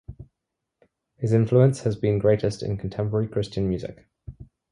His influence has been greatest in contemporary Christian music.